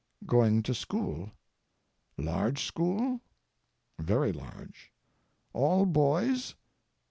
"Going to school." "Large school?" "Very large." "All boys?"